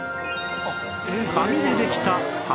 紙でできたああ